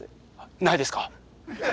ないですかはい。